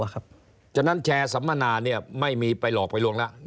แบบนี้แชร์ลูกภาพทางนี้ไม่มีไปหลอกไปล่วงนี้